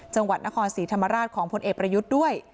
จังหวัดนครศรีธรรมราชของพลเอกประยุทธ์ด้วย